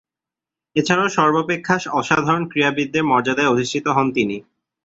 এছাড়াও সর্বাপেক্ষা অসাধারণ ক্রীড়াবিদের মর্যাদায় অধিষ্ঠিত হন তিনি।